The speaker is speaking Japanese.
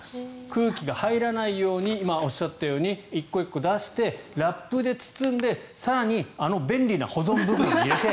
空気が入らないように今おっしゃったように１個１個出してラップで包んで更にあの便利な保存袋に入れて。